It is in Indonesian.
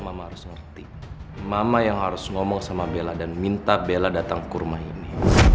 mama harus ngerti mama yang harus ngomong sama bella dan minta bella datang ke kurma ini